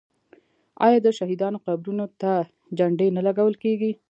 آیا د شهیدانو قبرونو ته جنډې نه لګول کیږي؟